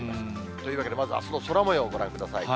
というわけで、まずはあすの空もようご覧ください。